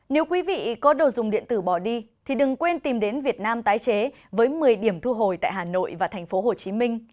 nếu quý vị có đồ dùng điện tử bỏ đi thì đừng quên tìm đến việt nam tái chế với một mươi điểm thu hồi tại hà nội và tp hcm